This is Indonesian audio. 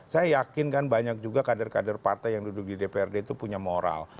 saya yakin kan banyak juga kader kader partai yang duduk di dprd itu punya moral